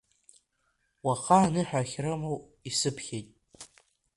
Уаха аныҳәа ахьрымоу исыԥхьеит.